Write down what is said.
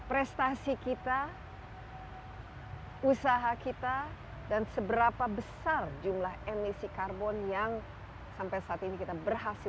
baik terima kasih mbak desi kita awalin dulu tadi disebut bahwa pada tahun dua ribu lima belas di sepakatilah paris